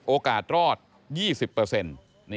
โอกาสรอด๒๐เปอร์เซ็นต์